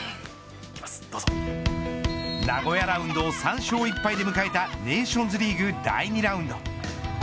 名古屋ラウンドを３勝１敗で迎えたネーションズリーグ第２ラウンド。